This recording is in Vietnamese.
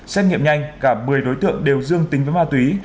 xét nghiệm nhanh cả một mươi đối tượng đều dương tính với ma túy